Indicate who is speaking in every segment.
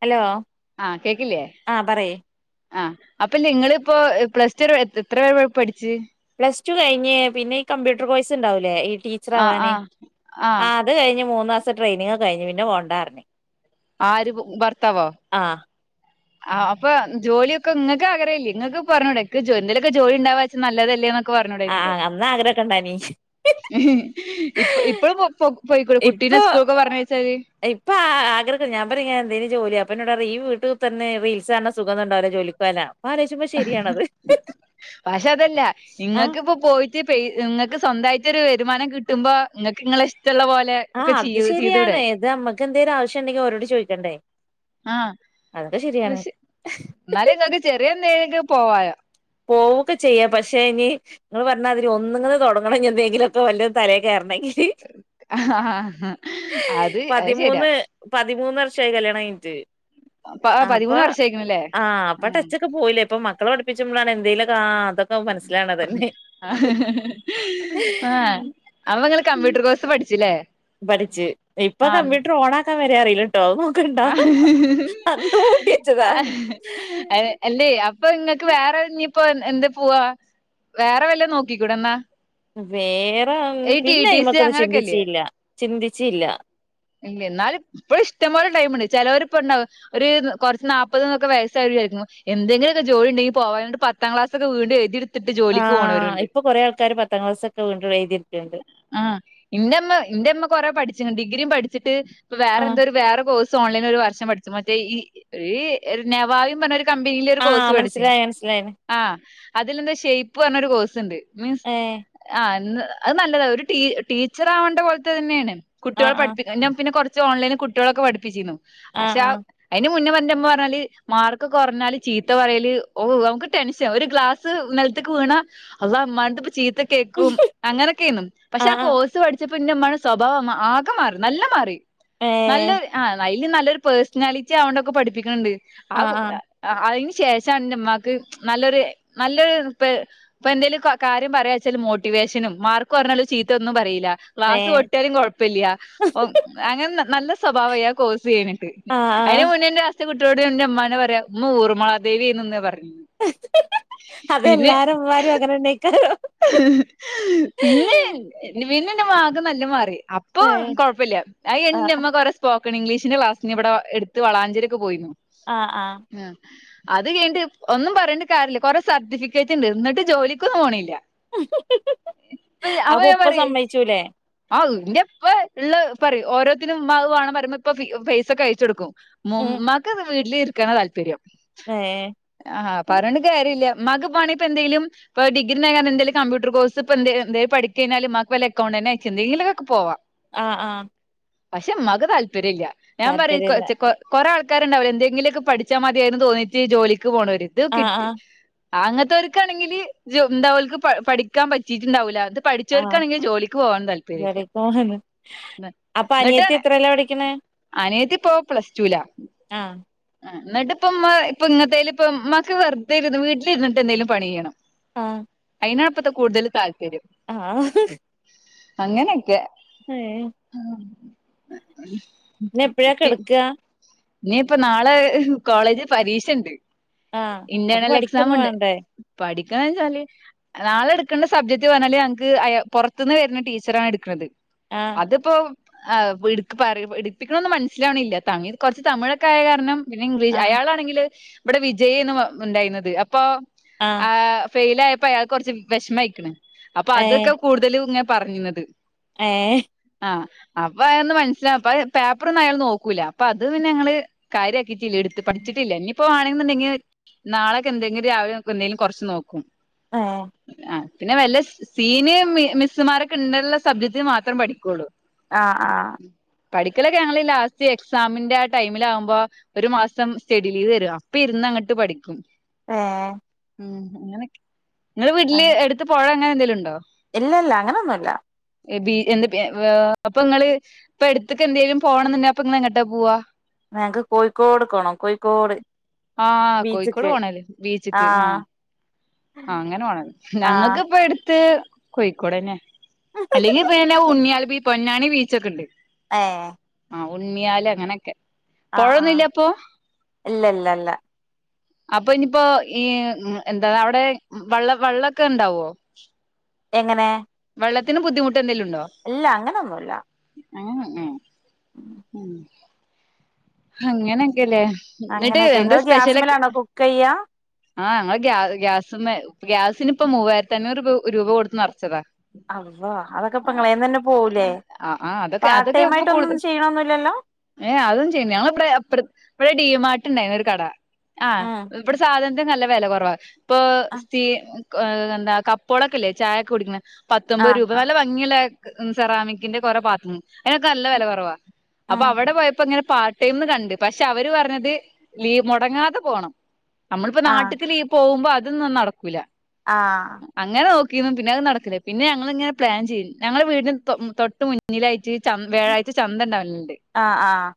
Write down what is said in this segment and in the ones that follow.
Speaker 1: Hello
Speaker 2: ആഹ് കേക്കിലേ
Speaker 1: ആ പറയ്
Speaker 2: ആഹ് അപ്പൊ നിങ്ങളിപ്പോ പ്ലസ് ടു വരെ എത്ര വരെ പഠിച്ച്
Speaker 1: പ്ലസ് ടു കഴിഞ്ഞ് പിന്നെ ഈ കമ്പ്യൂട്ടർ കോഴ്സ് ഇണ്ടാവൂല്ലേ ഈ ടീച്ചർ
Speaker 2: ആഹ്
Speaker 1: ആവാനെ
Speaker 2: ആഹ്
Speaker 1: ആഹ് അത് കഴിഞ്ഞ് മൂന്ന് മാസ സ ട്രെയിനിങ് കഴിഞ്ഞ് പിന്നെ പോണ്ടാർഞ്ഞ്
Speaker 2: ആര് ഭർത്താവോ
Speaker 1: ആ
Speaker 2: അപ്പം ജോലിയൊക്കെ നിങ്ങക്ക് ആഗ്രഹില്ലേ നിങ്ങക്ക് പറഞ്ഞൂടെ എന്തേലൊക്കെ ജോലി ഇണ്ടാവാന്ന് വെച്ചാ നല്ലതല്ലെന്ന് ക്കെ
Speaker 1: ആ
Speaker 2: പറഞ്ഞൂടായിരുന്നില്ലേ
Speaker 1: അന്ന് ആഗ്രഹൊക്കെ ഇണ്ടായിനി
Speaker 2: ഇ ഇപ്പഴും പൊക്കോ ഇപ്പ ഇവിടെ കുട്ടീനെ സ്കൂള്ക്ക് പറഞ്ഞയച്ചാല്
Speaker 1: ഇപ്പം ആഹ് ആഗ്രഹം ഞാ പറയും എന്തേലും ജോലി അപ്പം ന്നോടറിം ഈ വീട്ടൂ തന്നെ റീൽസാൺന്ന സുഖോന്നു ഉണ്ടാവ് ല ജോലിക്കോയാലാ
Speaker 2: പാഷേ അതല്ല
Speaker 1: ആ
Speaker 2: നിങ്ങക്ക് ഇപ്പൊ പോയി ക്ക് പേയ് ഇങ്ങക്ക് സ്വന്തായിട്ടൊരു വരുമാനം കിട്ടുമ്പോ ങ്ങക്ക് ങ്ങളെ ഇഷ്
Speaker 1: ആ അത് ശരിയാണ് ഇത് നമ്മക്ക് എന്തേലും ആവശ്യം ഉണ്ടെങ്കിൽ ഓരോട് ചോദിക്കേണ്ടേ
Speaker 2: ആഹ പക്ഷെ എന്നാലും നിങ്ങക്ക് ചെറിയ നേരിട്ട് പോവാലോ
Speaker 1: പോവൊക്കെ ചെയ്യാം പക്ഷേ ഇനി നിങ്ങള് പറഞ്ഞമാതിരി ഒന്നിങ്ങന തൊടങ്ങണം എന്തെങ്കിലും ഒക്കെ വല്ലതും തലയിൽ കേറണമെങ്കിൽ
Speaker 2: ആഹ് അത് അത് ശരിയാ
Speaker 1: പതിമൂന്ന് പതിമൂന്ന് വർ ഷമായി കല്യാണം കഴിഞ്ഞിട്ട്
Speaker 2: പ
Speaker 1: അപ്പൊ
Speaker 2: പതിമൂന്ന് വർഷായിക്കണല്ലേ
Speaker 1: ആ അപ്പൊ
Speaker 2: ഉം
Speaker 1: റ്റച്ചൊക്കെ പോയില്ലേ ഇപ്പൊ മക്കള പഠി എന്തേലും ഒക്കെ ആ
Speaker 2: ആഹ ഹ
Speaker 1: പഠിച്ച് ഇപ്പൊ കമ്പ്യൂട്ടർ ഓണ ക്കാൻ വരെ അറിയില്ലേ
Speaker 2: ആ
Speaker 1: പൂട്ടി വെച്ചതാ
Speaker 2: അല്ലേ ഇപ്പൊ നിങ്ങൾക്ക് വേറെ ഇനിയിപ്പോ എന്താ പോവാ വേറെ വല്ല നോക്കിക്കൂടെ എന്നാ
Speaker 1: വേറെ
Speaker 2: ഈ ടി
Speaker 1: പിന്നെ
Speaker 2: ടി സി
Speaker 1: അയിമക്കൊന്നും
Speaker 2: അങ്ങനൊക്കെല്ലേ
Speaker 1: ചിന്തിച്ചില്ല ചിന്തിച്ചില്ല
Speaker 2: എന്നാലും ഇപ്പഴും ഇഷ്ടപോലെ ടൈംമുണ്ട് ചേലോർ ഇപ്പം ഇണ്ടാവും ഒരു കുറച്ച് നാല്പ്പതന്നൊക്കെ വയസ്സായി രിക്കും എന്തെങ്കിലും ഒക്കെ ജോലി ഉണ്ടെങ്കി പോവാനട്ട് പത്താം ക്ലാസൊക്കെ വീണ്ടും എഴുതി എടുത്തു തിട്ട്
Speaker 1: ആ
Speaker 2: ജോലിക്ക് പോണൊരുണ്ട്
Speaker 1: ഇപ്പൊ കൊറേ ആൾക്കാര് പത്താം ക്ലാസ്സൊക്കെ വീണ്ടും എഴുതിയെടുക്കണ്ട്
Speaker 2: ആ ഇന്റമ്മ കൊറേ പഠി ഡിഗ്രിയും പഠി ച്ച്ട്ട്
Speaker 1: ആ
Speaker 2: വേറെന്തോരു വേറെ കോഴ്സ് സ് ഓൺലൈനിൽ ഒരു വർഷം പഠിച്ചു മറ്റേ ഈ ഒരു നെവാവി പറഞ്ഞ കമ്പനിൽ ഒരു കോഴ്സ്
Speaker 1: ആഹ്
Speaker 2: പഠിച്ചു
Speaker 1: മനസ്സിലായി മനസ്സിലായിന്
Speaker 2: ആ അതിലെന്താ ഷേപ്പ് പറഞ്ഞ ഒരു കോഴ്സ് ഉണ്ട് മീൻസ്
Speaker 1: ഏ
Speaker 2: ആഹ എന്ന് അത് നല്ലതാണ് ഒരു ടീ ടീച്ചർ ആവണ്ട പോലത്തെ തന്നെയാണ്
Speaker 1: ആഹ
Speaker 2: കുട്ടികളെ
Speaker 1: ആഹ
Speaker 2: പഠിപ്പിക്ക പിന്നെ കുറച്ച് ഓൺലൈനിൽ കുട്ടികളൊക്കെ പഠിപ്പിച്ചിരുന്നു പക്ഷെ ആ
Speaker 1: ആഹ്
Speaker 2: അയ്‌ൻ മുന്നേ ഇന്റമ്മ പറഞ്ഞാല് മാർക്ക് കുറഞ്ഞാല് ചീത്ത പറയല് ഓ നമുക്ക് ടെൻഷൻ ഒരു ഗ്ലാസ് നിലത്തേക്ക് വീണാ അള്ളാ മ്മന്റട്തന്ന് പ്പം ചീ ത്ത കേൾക്കും അങ്ങനെയൊക്കെയ്ന്നു
Speaker 1: ആഹ്
Speaker 2: പക്ഷെ ആ
Speaker 1: ആഹ് ആഹ്
Speaker 2: കോഴ്സ് പഠിച്ച പ്പം ഇന്റമ്മന്റെ സ്വഭാവം ആകെ മാറി നല്ല മാറി
Speaker 1: ഏ
Speaker 2: നല്ലൊരു ആ അയിൽ നല്ലൊരു പേഴ്സണാലിറ്റി ആവണ്ടൊക്കെ പഠിപ്പിക്കുന്നുണ്ട് ആ
Speaker 1: ആഹ് ആഹ്
Speaker 2: അയിന് ശേഷാണ് ഇന്റമ്മാക്ക് നല്ലൊരു നല്ലൊരു ഇ ഇപ്പൊ എന്തെലും കാര്യം പറയാ വെച്ചാല് മോട്ടിവേഷനും മാർക്ക് പറഞ്ഞല് ചീത്ത ഒന്നും പറയില്ല
Speaker 1: ഏ
Speaker 2: ക്ലാസ് പൊട്ടിയാലും കൊഴപ്പില്ല അങ്ങനെ നല്ല സ്വഭാവായി കോഴ്സ് ചെയ്യന്
Speaker 1: ആഹ്
Speaker 2: അതിന്
Speaker 1: ആഹ്
Speaker 2: മുന്നേന്റെ കുട്ടിയാളോട് ന്റെ മ്മാനെ പറയാ ഇമ്മ ഊർമിള ദേവി എയ്ന്നുന്ന പറയാ
Speaker 1: അതെല്ലാരെ മ്മാരും അങ്ങനെന്നേക്കാരം
Speaker 2: പിന്നെ വീന്നന്റെ മാകെ നല്ല മാറ അപ്പൊ
Speaker 1: ഏ
Speaker 2: കുഴപ്പില്ല ആ
Speaker 1: ആഹ്
Speaker 2: എണ്ണമ്മ കൊറ്പ ഇംഗ്ീഷിന്റെ ക്ലാസിന് ഇവിടെടു വളഞ്ചേര ഒെ പോയിുന്നു
Speaker 1: ആഹ് ആഹ്
Speaker 2: ഉം [unintelligible] അത് കണ്ട ഒന്നും പറയേണ്ട കാര്യമില്ല കുററെ സർട്ടിഫിക്കറ്റ് ഉണ്ട് എന്നന്നിട്ട് ജോലിക്കൊന്നും പോണല്ല ഇപ്പ അമ്മ
Speaker 1: അപ്പൊ
Speaker 2: ഞ
Speaker 1: ഉപ്പ
Speaker 2: പറ
Speaker 1: സമ്മയിച്ചൂലേ
Speaker 2: ആ ഇന്റെപ്പ ഉള്ള പറ ഓരോ േണംരുമ്പോ ഇപ്പ ഫേസ് ഒക്കെ അയച്ചെടുക്കും മ
Speaker 1: ഉം
Speaker 2: മകത വീട്ടില താല്പര്യം
Speaker 1: ഏ
Speaker 2: ആഹ് പറഞ്ഞന്ന കേയറില്ല മക പണ ഇപ്പൊ എന്തെങ്കിലുംപ്പ ഡിഗ്രി നകൻ എന്തെങ്കും കമ്പ്യൂട്ടർ കോഴ്സ് ഇപ്പ എന്ത പഠിക്കഴിഞ്ഞുംക്ക് വല്ല അക്കൗണ്ട് തന്നെ അച്ചു എെങ്കിലൊക്കെ പോവാം
Speaker 1: ആഹ ആഹ
Speaker 2: പക്ഷെ മ്മക്ക് താല്പര്യം ഇല്ല ഞാൻ പറ കൊ
Speaker 1: താല്പര്യല്ല
Speaker 2: കൊ കൊറ [unintelligible] എന്തെിലൊക്കെ പഠിച്ചാ മതിയായിന്ന് തോന്നിട്ട് ജോലിക്ക് പോനോലും ഇത്
Speaker 1: ആഹ്
Speaker 2: കിട്ടി
Speaker 1: ആഹ്
Speaker 2: ആ അങ്ങനത്തെർക്കാണെങ്കില് ജ എന്തക്ക് പഠിക്കാൻ പറ്റിട്ടുണ്ടാവില്ല അത്
Speaker 1: ആഹ പെരേക്ക് പോവാണ് അപ്പൊ അനിയത്തി എത്രല്ല പഠിക്കണ
Speaker 2: ഇപ്പൊ പ്ലസ് ടുല
Speaker 1: ആഹ
Speaker 2: എന്നിട്ട് ഇപ്പ ഇപ്പ ഇങ്ങത്തെേലും ഇപ്പ മക്ക് വെറുതെ ഇരുന്ന് വീട്ടിലിരിട്ട് എന്തേലും പണി ചെയ്യണം
Speaker 1: ആഹ
Speaker 2: അതിനപ്പോത്തെ കൂടുത ൽ താല്പര്യം
Speaker 1: ആഹ
Speaker 2: അങ്ങനൊക്കെ
Speaker 1: ഏ പിന്ന എപ്പഴാ കെടക്ക
Speaker 2: നീ ഇപ്പൊ നാളെ കോളേജിൽ പരീക്ഷണ്ട്
Speaker 1: ആഹ് അപ്പൊ
Speaker 2: ഇന്റേർണൽ എക്സാം
Speaker 1: പഠിക്കൊന്നും
Speaker 2: ഉണ്ട്
Speaker 1: വേണ്ടേ
Speaker 2: പഠിക്ക ക്കാ വച്ചാല് നാളെ എടുക്കേണ്ട സബ്ജക്ട് പറഞ്ഞാല് ഞങ്ങക്ക് പുറത്തു നിന്ന് വരുന്ന ടീച്ചറണ് എടുക്കണുന്നത്
Speaker 1: ആഹ്
Speaker 2: അതിപ്പോ ആ വ് ഇട് പറി ഇട്പ്പിക്കണതൊന്ന് മനസ്സിലാവണില്ല താങ്ങി കുറച്ച് തമിഴൊക്കെ ആയ കാരണം പിന്നെ ഇംഗ്ലീ
Speaker 1: ആഹ്
Speaker 2: അയാളാണെങ്കില് ഇവിടെ വിജയന്ന് ഉണ്ടായിരുന്നത് അപ്പൊ ആഹ് ഫെയില് ആയപ്പേ അത് കുറച്ച് വിഷമം ആയിക്കണ് അപ്പൊ
Speaker 1: ഏഹ്
Speaker 2: അതൊക്കെ കൂടുതലും ഇങ്ങനെ പറയുന്നത്
Speaker 1: ഏഹ്
Speaker 2: ആഹ് അപ്പോ അതീന്ന് മനസ്സില പേപ്പറൊന്നും അയാള് നോക്കൂല അപ്പൊ അത് പിന്നെ ഞങ്ങള് കാര്യ ആക്കീട്ടില്ല എടുത്ത് പ ച്ചിട്ടില്ല ഇനിയിപ്പോ ആണെന്നുണ്ടെങ്കിൽ നാളെയൊക്കെഎന്തെങ്കിലും രാവിലെ ഒക്കെ എന്തെങ്കിലും കുറച്ച് നോക്കും
Speaker 1: ഏഹ്
Speaker 2: ആഹ് പിന്നെ വല്ല സീന് മി മിസ്സുമാരൊക്കെ ഉണ്ടുള്ള സബ്ജക്റ്റ് മാത്രം പഠിക്കുള്ളൂ
Speaker 1: ആഹ് ആഹ്
Speaker 2: പഠിക്കലൊക്കെ ഞങ്ങള് ഇനി ലാസ്റ്റ് എക്സാമിന്റെ ആ ടൈമില് ആകുമ്പോ ഒരു മാസം സ്റ്റഡി ലീവ് തരും അപ്പൊ ഇരുന്ന് അങ്ങോട്ട് പഠിക്കും
Speaker 1: ഏ
Speaker 2: ഉം അങ്ങനൊക്കെ നിങ്ങള് വീട്ടില് എടുത്ത് പൊഴ അങ്ങനെന്തേലും ട്ട്ണ്ടോ
Speaker 1: ഇല്ല ഇല്ല അങ്ങനൊന്നുമില്ല
Speaker 2: എബി [unintelligible] അപ്പൊ നിങ്ങള് ഇപ്പൊ എടുത്തേക്ക്‌ എന്തേലും പോണം എന്നു ഇപ്പം ഇന്ന് എങ്ങട്ടാ പോവാ
Speaker 1: ഞങ്ങക്ക് കോഴിക്കോട്ക്കോണം കോഴിക്കോട്
Speaker 2: ആഹ് കോഴിക്കോട്
Speaker 1: ബീച്ച്ക്ക്
Speaker 2: പോണേല് ബീച്ചിക്ക് ആഹ് ആ അങ്ങനെ പോണെ
Speaker 1: ആഹ്
Speaker 2: ഞങ്ങൾക്ക് ഇപ്പം എടുത്ത് കോയിക്കോടന്നെ അല്ലെങ്കിൽ പിന്നെ ഉണ്ണിയ ഈ പൊന്നാനി ബീച്ച് ഒക്കെ ഉണ്ട്
Speaker 1: എഹ്
Speaker 2: ആ ഉണ്ണിയാല് അങ്ങനെയൊക്കെ
Speaker 1: ആഹ് ആഹ്
Speaker 2: പൊഴൊന്നുല്ലപ്പോ അപ്പൊ
Speaker 1: ഇല്ല ഇല്ല ഇല്ല
Speaker 2: അപ്പൊ ഇനിയിപ്പോ ഈ എന്താ അവിടെ വെള്ള വെള്ളക്കെ ഉണ്ടാവോ
Speaker 1: എങ്ങനെ
Speaker 2: വെള്ളത്തിന് ബുദ്ധിമു
Speaker 1: ഇല്ല അങ്ങനൊന്നുമില്ല
Speaker 2: ഉം ഉം ഉം അങ്ങനൊക്കെയല്ലേ
Speaker 1: അങ്ങനെയൊക്കെ നിങ്ങൾ ഗ്യാസ്മ്മേലാണോ കുക്ക് ചെയ്യാ
Speaker 2: ആ ഞങ്ങള് ഗ്യാ ഗ്യാസ്മ്മേ ഗ്യാസിന് ഇപ്പം മൂവായിരത്തി അഞ്ഞൂറ് രൂപ കൊടുത്ത് നിറച്ചതാ
Speaker 1: അള്ളാ അതൊക്കെ [unintelligible] തന്നെ പോവൂലേ
Speaker 2: ആഹ് ആഹ് അതൊക്കെ
Speaker 1: പാർട്ട്
Speaker 2: അതൊക്കെ
Speaker 1: ടൈം
Speaker 2: ഇപ്പൊ
Speaker 1: ആയിട്ട്
Speaker 2: കൂടു
Speaker 1: ഒന്നും ചെയ്യണൊന്നുമില്ലല്ലോ
Speaker 2: ടി മാർട്ട് ഉണ്ടായിരുന്ന് ഒരു കട ആഹ്
Speaker 1: ഉം
Speaker 2: ഇവിടെ സാധന ത് നല്ല വെല കൊറവാ പ്പൊ സ്ഥി ഏ ത് ന്താ കപ്പോളൊക്കെല്ലേ ചായൊക്കെ കുടിക്കണ പത്തൊമ്പത്
Speaker 1: ആഹ്
Speaker 2: രൂപ നല്ല ഭംഗിള്ള ഉം സെറാമിക്കിന്റെ കൊറെ പാത്രം അയ്നൊക്കെ നല്ല വെല കൊറവാ
Speaker 1: ഉം
Speaker 2: അപ്പൊ
Speaker 1: ആഹ്
Speaker 2: അവടെ പോയപ്പോ ങ്ങനെ പാർ ടൈം ന്ന് കണ്ട് പക്ഷെ അവര് പറഞ്ഞത് ലീ മുടങ്ങാതെ പോണം പ്പൊ
Speaker 1: ആഹ്
Speaker 2: നാട്ടക്ക് ലീവ് പോവുമ്പോ അത് അതൊന്നും നടക്കൂല്ല
Speaker 1: ആഹ്
Speaker 2: കിന്നും പിന്നെ അത് നടക്കില്ലേ പിന്നെ ഞങ്ങളിങ്ങനെ പ്ലാൻ ചെയ്യും ഞങ്ങളെ വീടിന് തൊ തൊട്ട് മുന്നിലായ്റ്റ് ചൻ വ്യാഴാഴ്ച ചന്തണ്ടാവല്ണ്ട്
Speaker 1: ആഹ് ആഹ്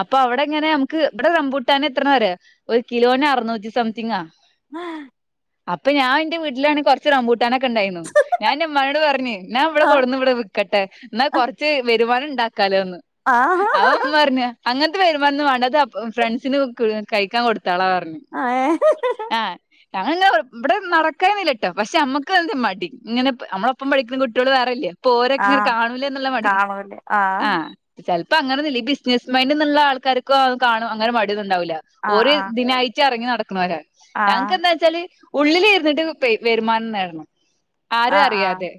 Speaker 2: അപ്പൊ അവ്ടെങ്ങനെ നമുക്ക് ഇവടെ റമ്പൂട്ടാനെ എത്രന്നറിയോ ഒരു കിലോന് അറുന്നൂറ്റി സം [unintelligible]
Speaker 1: ആഹ്
Speaker 2: അപ്പൊ ഞാൻന്റെ വീട്ടിലാണ് കൊർച്ച് റമ്പൂട്ട് ട്ടാനൊക്കെണ്ടായിന്നു ഞാന്റെ മ്മാനോട്‌ പർഞ്ഞ് ഞാൻ ഇവടെ
Speaker 1: ആഹ്
Speaker 2: കൊട്ന്ന് ഇവടെ വിക്കട്ടെ ന്നാ കൊർച്ച് വെ രിവാനുണ്ടാ കാലോന്ന്
Speaker 1: ആഹ്
Speaker 2: അവം പറഞ്ഞ അങ്ങനത്തെ വരുമാനൊന്നും വാണ്ടതെ ഫ്രണ്ട്സിന് ഉ ക് കൈക്കാൻ കൊടു- [unintelligible]
Speaker 1: ഏഹ്
Speaker 2: ആഹ് ഞങ്ങളിങ്ങനെ ഇബടെ നടക്കായോന്നില്ലട്ടോ. പക്ഷെ അമ്മക്ക് എന്തെ മടി. ഇങ്ങനെ നമ്മളൊപ്പം പഠിക്കുന്ന കുട്ടിയെള് വേറേല്യ പോരൊക്കെ ഇങ്ങനെ
Speaker 1: ആഹ്
Speaker 2: കാണൂലേന്നുള്ള മടി
Speaker 1: കാണൂലേ ആഹ്
Speaker 2: ആ ചെൽ ഇപ്പ അങ്ങനെന്നുല്ല ഈ ബിസിനസ് മൈൻ്ന്ന്ള്ള ആൾക്കാർക്ക് അത് കാണു അങ്ങനെ മടി ഒന്ന് ണ്ടാവൂല. ഓര്
Speaker 1: ആഹ്
Speaker 2: ഇത്നായിട്ട് എറങ്ങി നട [unintelligible] ഞങ്ങക്ക്
Speaker 1: ആഹ്
Speaker 2: എന്താച്ചാല് ഉള്ളില് ഇര്ന്നിട്ട് പെയ് വരുമാനം നേടണം ആരും
Speaker 1: ആഹ് ആഹ് ആഹ്
Speaker 2: അറിയാതെ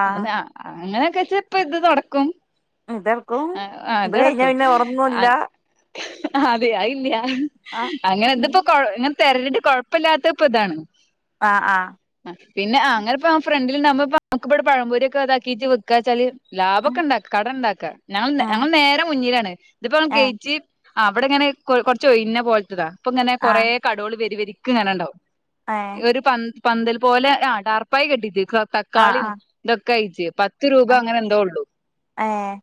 Speaker 1: ആഹ്
Speaker 2: അതാ അങ്ങനെ പശേ ഇപ്പ ഇത് നടക്കും
Speaker 1: ഇതെടുക്കും
Speaker 2: ആ
Speaker 1: ഇത് കഴിഞ്ഞ
Speaker 2: അതടക്കും
Speaker 1: പിന്നെ
Speaker 2: അ
Speaker 1: ഉറങ്ങൂല്ല
Speaker 2: അതെ അത്ഇല്യ
Speaker 1: ആഹ്
Speaker 2: അങ്ങനെ ത്പ്പോ കൊഴ് ങ്ങ തെരഞ്ഞിട്ട് കുഴപ്പല്ലാത്തത് ഇപ്പൊതാണ്
Speaker 1: ആഹ് ആഹ്
Speaker 2: പിന്നെ അ അങ്ങനെപ്പൊ ഫ്രണ്ടില് ണ്ടാവുമ്പോ പ്പ നമ്മക്ക് പ്പ ഇവിടെ പഴംപൊരി ഒക്കെ ഇതാക്കീറ്റ് വെക്കാ വച്ചാല്
Speaker 1: ഉം
Speaker 2: ലാഭോക്കെണ്ടാക കടണ്ടാക്കാ ഞങ്ങ
Speaker 1: ഉം
Speaker 2: ഞങ്ങൾ നേരെ മുന്നിലാണ് ഇതിപ്പോ ഞങ്ങൾ
Speaker 1: ഏഹ്
Speaker 2: ഗേറ്റ് [inaudible] ആ അവിടെ ഇങ്ങനെ കൊ കൊറച്ച ഇന്നെ പോലത്തതാ അപ്പ ഇങ്ങനെ കുറെ
Speaker 1: ആഹ്
Speaker 2: കടകൾ വരുവരിക്കും [inaudible] നിക്കങ്ങനെ ഉണ്ടാവും
Speaker 1: ഏഹ്
Speaker 2: ഒരു പന് [unintelligible] പന്തൽ പോലെ ആ ഡാർപ്പായി കെട്ടിത്് പ്പ
Speaker 1: ആഹ്
Speaker 2: കാളിയും
Speaker 1: ആഹ്
Speaker 2: [unintelligible] കഴജ പത്ത് [unintelligible] പത്ത് രൂപ
Speaker 1: ആഹ്
Speaker 2: അങ്ങനെ എന്തോ ഉള്ളു
Speaker 1: ഏഹ്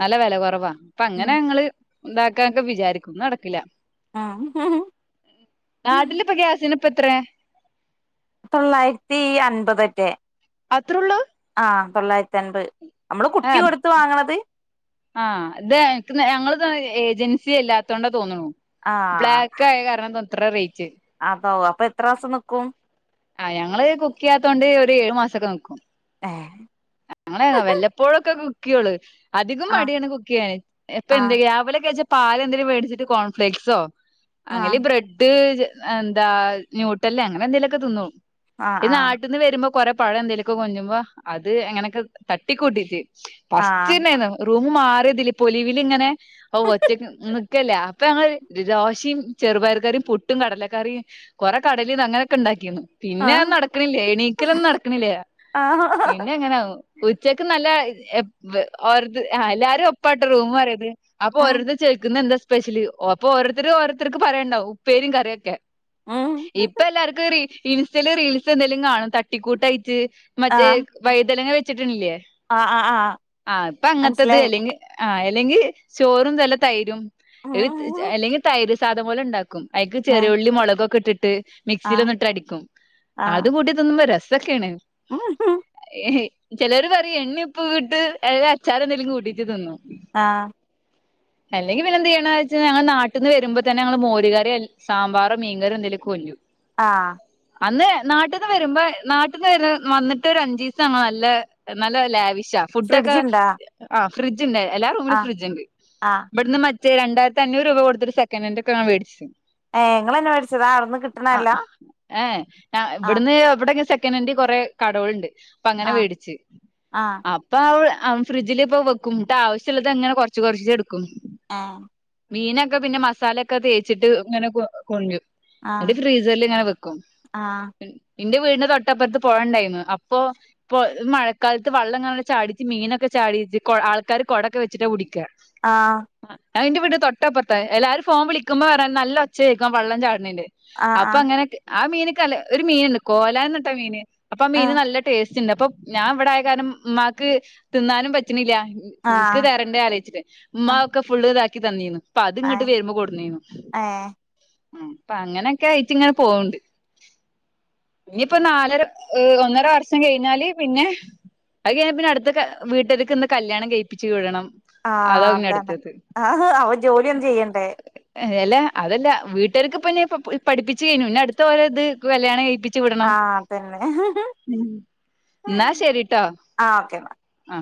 Speaker 2: നല്ല വില കുറവാ അപ്പ
Speaker 1: ഉം
Speaker 2: അങ്ങനെ ഞങ്ങള് ഉണ്ടാക്കാനൊക്കെ വിചാരിക്കും നടക്കില്ല
Speaker 1: ഉം
Speaker 2: നാട്ടിൽ ഇപ്പോൾ ഗ്യാസിന് [inaudible] ഇപ്പോ എത്ര [inaudible]
Speaker 1: ആയിരത്തി തൊള്ളായിരത്തി അൻപതറ്റെ
Speaker 2: അത്രയള്ളൂ
Speaker 1: ആഹ തൊള്ളായിരത്തി അൻപ് നമ്മള് കുട്ടി കൊടുത്ത വാങ്ങണത്
Speaker 2: ആഹ് ഇത എനിക്ക് ഞങ്ങള് ഏജൻസി അല്ലാത്തോണ്ട തോന്നണു
Speaker 1: ആഹ്
Speaker 2: ബ്ലാക്ക് ആയ കാരണംന് [inaudible] എത്ര റേറ്റ് [unintelligible]
Speaker 1: അത അപ്പൊ എത്ര മാസം നിക്കും [inaudible]
Speaker 2: ആ് ഞങ്ങള് കുക്ക് ചെയ്യാത്തൊണ്ട് ഒരു ഏഴു മാസൊക്കെ നക്കും
Speaker 1: ഏഹ്
Speaker 2: ങ്ങെ വല്ലപ്പോഴൊക്കെ ക്കള് [unintelligible] അധികം
Speaker 1: ആഹ്
Speaker 2: മടിയാണ് കുക്ക് ചെയ്യാൻ ഇപ്പൊ എന്ത
Speaker 1: ആഹ്
Speaker 2: രാവിലെ പാലെന്തേലും മേടിച്ചിട്ട് കോൺഫ്ലക്സോ
Speaker 1: ആഹ്
Speaker 2: അങ്ങല് ബ്രെഡ് എന്താ ന്യൂട്ടല്ല അങ്ങനെ എന്തേ ഒക്കെ തിന്നും
Speaker 1: ആഹ്
Speaker 2: ത്
Speaker 1: ആഹ്
Speaker 2: നാട്ടിന്ന് വരുമ്പോ കൊറെ പഴ എന്തേലൊക്കെ വാങ്‌ഗുമ്പോ അത് എങ്ങനെയൊക്കെ തട്ടിക്കൂട്ടീട്ട് [unintelligible]
Speaker 1: ആഹ്
Speaker 2: ന്ന് മാറിയതില്ലെ പൊലിവിലിങ്ങനെ ഓ ഒറ്റക്ക് [unintelligible] ഒക്കല്ലേ അപ്പൊ ഞങ്ങൾ ദോശയും ചെറുപയർക്കറിയും പുട്ടും കടലക്കറി കൊറെ കടലിം അങ്ങനെ ഒക്കെ ഒണ്ടാക്കിന്നു പിന്നെ
Speaker 1: ആഹ്
Speaker 2: നടക്കണില്ലേ എണീക്കലൊന്നും നടക്കണില്ല
Speaker 1: ആഹ്
Speaker 2: പിന്നെ എങ്ങനാവോ ഉച്ചക്ക് നല്ല എപ് ഓരോര് ഹ എല്ലാരും ഒപ്പാട്ട് റൂം മാറിത് അപ്പൊ
Speaker 1: ഉം
Speaker 2: ഓരോരുത്തർ ചോയ്ക്കുന്താ സ് സ്പെഷില് അപോ ഓരോര്‌ത്തര് ഓരോര്‌ത്തര്ക്ക് പറയാണ്ടവും ഉപ്പേരിം കറിയൊക്കെ
Speaker 1: ഉം
Speaker 2: ഇപ്പൊ എല്ലാർ ഇൻസ്റ്റല് റീൽസ് എന്തെലും കാണും തട്ടിക്കൂട്ടായി റ്റ് മറ്റേ
Speaker 1: ആഹ്
Speaker 2: വലുതനങ്ങാ വെച്ചിട്ടിണില്യേ
Speaker 1: ആഹ് ആഹ്
Speaker 2: ആഹ് ഇപ്പ അങ്ങത്തത്
Speaker 1: മനസ്സിലായി
Speaker 2: അല്ലെങ്കി ആ അല്ലെങ്കിൽ ചോറും നല്ല തൈരും [unintelligible] അല്ലെങ്കി തൈര് [unintelligible] ക്കും അയിക്ക് ചെറിയ
Speaker 1: ഏഹ്
Speaker 2: ഉള്ളിം മൊളകൊക്കെ ഇട്ടിട്ട് ട്ട്
Speaker 1: ആഹ്
Speaker 2: മിക്സിലിട്ടൊന്നടിക്കും
Speaker 1: ആഹ്
Speaker 2: അതും കൂട്ടി തിന്നുമ്പോ രസ് തൊക്കെയെന്
Speaker 1: [inaudible]
Speaker 2: ചെലര്പറേം എണ്ണിം ഉപ്പുട്ട് നല്ല അച്ചാർ എന്തെങ്കിലും കൂട്ടിട്ട് തിന്നും
Speaker 1: ആഹ്
Speaker 2: അല്ലെങ്കിൽ പിന്നെ എന്തിയ ണവെച്ചാൽ ഞങ്ങള് നാട്ട്ന്ന് വരുമ്പോത്തന്നെ ങ്ങള്മോര് കറി. ല്ലങ്കി സാമ്പാറോ മീൻകറി എന്തെങ്കിലും കൊണ്ട് രും
Speaker 1: ആഹ്
Speaker 2: അന്ന് നാട്ടിന്ന് വരുമ്പോ നാട്ടിന്ന് വേരെ വന്നിട്ട് ഒരഞ്ചീസങ്ങ് നല്ല നല്ല ലാവി ശ ഫുഡൊക്കെ
Speaker 1: ഫ്രിഡ്ജിണ്ടാ
Speaker 2: ഏ ആ ഫ്രീജ് ണ്ട് എല്ലാറൂമിലും
Speaker 1: ആഹ്
Speaker 2: ഫ്രിഡ്ജുണ്ട്
Speaker 1: ആഹ്
Speaker 2: ഇവിടുന്ന് മാ രണ്ടായിരത്തി അഞ്ഞൂറ് രൂപ കൊടുത്തുട്ട് സക്കനൻഡ് ഒക്കെ വേ ടിച്ചു
Speaker 1: ഏഹ് ഇങ്ങളന്നെ മേടിച്ചതാ അവ്ട്ന്ന്
Speaker 2: ആഹ
Speaker 1: കിട്ട്ണല്ല
Speaker 2: ഏ
Speaker 1: ആഹ്
Speaker 2: ഇവിട്ന്ന് ഇവിടെ ക്കെ സെ കിട്ടണേണ്ടി കുറെ കാടോ ഉണ്ട് അപ്പ അങ്ങനെ
Speaker 1: ആഹ്
Speaker 2: വേടിച്ച്
Speaker 1: ആഹ്
Speaker 2: അ ഫ്രിഡ്ജില് ഇപ്പം വെക്കും ഇപ്പാ ആവശ്യള്ളതങ്ങനെ കുറച്ച് കുറച്ച് കുറച്ച് എടുക്കും
Speaker 1: ആ
Speaker 2: മീനൊക്കെ പിന്നെ മസാലൊക്കെ തേച്ചിട്ട് ഇങ്ങനെ കൊണ്ടരും ന്നട്ട്
Speaker 1: ആഹ്
Speaker 2: ഫ്രീസറിൽ ഇങ്ങനെ വെക്കും
Speaker 1: ആഹ്
Speaker 2: എന്റെ വീടിന്റെ തൊട്ടപ്പുറത്ത് പൊഴ ഉണ്ടായിരുന്നു അപ്പൊ പ്പോ മഴക്കാലത്ത് വള്ളംങ്ങനെ ചാടിച്ച് മീനൊക്കെ ചാടിച്ച് ആൾക്കാര് കൊടേക്ക വെച്ചിട്ടാ പിടി ക്ക
Speaker 1: ആഹ്
Speaker 2: ആ അതെന്റെ വീടിന്റെ തൊട്ടപ്പുറത്ത് എല്ലാരും ഫോൺ വിളിക്കുമ്പോ [unintelligible] നല്ല ഒച്ചകേക്കാം വള്ളം ചാട [unintelligible] അപ്പൊ
Speaker 1: ആഹ്
Speaker 2: അങ്ങനൊക്കെ ആ മീന് ക്കല് ഒരു മീനെടുക്കോ ഓലാനിട്ട മീന് അപ്പൊ മീന്
Speaker 1: ആഹ്
Speaker 2: നല്ല ടേസ് ന്നപ്പം ഞാൻ ഇവിടെയായ കാരണം ഉമ്മാക്ക് തിന്നാനും പറ്റണില്ല
Speaker 1: ആഹ് ആഹ്
Speaker 2: [unintelligible]
Speaker 1: ആഹ്
Speaker 2: ഉമ്മാക്ക് ഫുള്ള് താക്കി തന്നേന്ന് പ്പ അതിങ്ങോട്ട്
Speaker 1: ഏഹ്
Speaker 2: വരുമ്പോ കൊടുന്നേന്ന്
Speaker 1: ഏഹ്
Speaker 2: ഉം ഇപ്പ അങ്ങനെയൊക്കെ ഇച്ചിങ്ങനെ പോണുണ്ട് ഇനിയിപ്പോ നാലര ഒന്നര വർഷം കഴിഞ്ഞാല് പിന്നെ അയ് കഴിഞ്ഞാ പിന്നെ അടുത്ത വീട്ടാരുക്ക് ചെന്ന് കല്യാണം കഴിപ്പിച്ച് വിടണം അതാ
Speaker 1: ആഹ്
Speaker 2: പിന്നെ
Speaker 1: അതന്നെ
Speaker 2: അടുത്തത്
Speaker 1: ആ അവ ജോലിയൊന്നും ചെയ്യണ്ടേ
Speaker 2: അതേലെ അതല്ല വീട്ടുകാർക്ക് ഇപ്പൊ എന്നെ പ പ പഠിപ്പിച്ച് കഴിഞ്ഞു പിന്ന അടുത്ത ഒര് ഇത് കല്യാണം കഴിപ്പി
Speaker 1: ആഹ് തന്നെ
Speaker 2: എന്നാ ശരിട്ടോ
Speaker 1: ആ ഓക്കെ എന്നാ
Speaker 2: ആഹ്